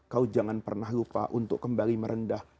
kau jangan pernah lupa untuk kembali merendah